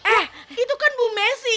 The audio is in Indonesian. eh itu kan bu messi